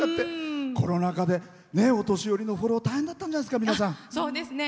コロナ禍でお年寄りのフォロー大変だったんじゃないですか。